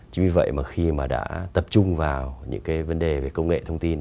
chính vì vậy mà khi mà đã tập trung vào những cái vấn đề về công nghệ thông tin